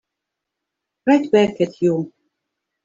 Right back at you.